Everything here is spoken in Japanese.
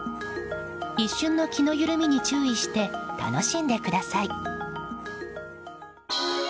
一瞬の気の緩みに注意して楽しんでください。